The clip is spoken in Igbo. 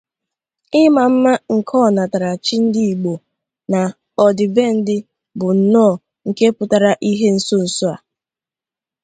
Ịma mma nke ọnatarachi ndị Igbo na ọdịbendi bụ nnọọ nke pụtara ìhè nso-nso a